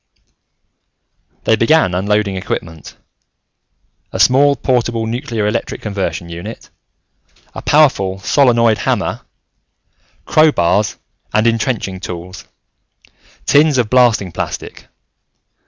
They began unloading equipment a small, portable nuclear electric conversion unit, a powerful solenoid hammer, crowbars and intrenching tools, tins of blasting plastic.